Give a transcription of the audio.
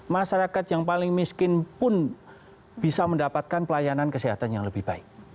masyarakat yang paling miskin pun bisa mendapatkan pelayanan kesehatan yang lebih baik